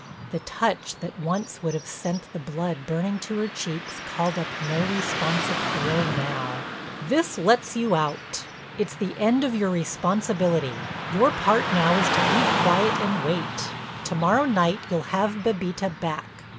The touch that once would have sent the blood burning to her cheeks called up no responsive thrill now: "This lets you out—it's the end of your responsibility. Your part now is to be quiet and wait. To morrow night you'll have Bébita back.